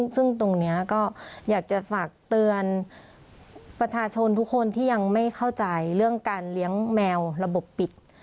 ซึ่งตรงนี้ก็อยากจะฝากเตือนประชาชนทุกคนที่ยังไม่เข้าใจเรื่องการเลี้ยงแมวระบบปิด